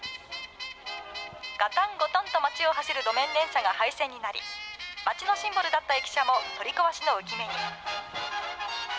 がたんごとんと街を走る路面電車が廃線になり、街のシンボルだった駅舎も取り壊しの憂き目に。